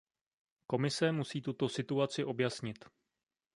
Komise musí tuto situaci objasnit.